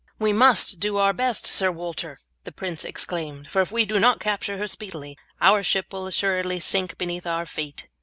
"We must do our best, Sir Walter," the prince exclaimed, "for if we do not capture her speedily our ship will assuredly sink beneath our feet."